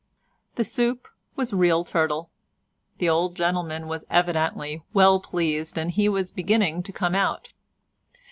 The soup was real turtle; the old gentleman was evidently well pleased and he was beginning to come out.